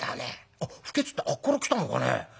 あっ不潔ってあっから来たのかね。